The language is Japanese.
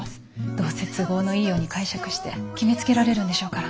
どうせ都合のいいように解釈して決めつけられるんでしょうから。